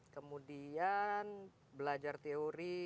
kemudian belajar teori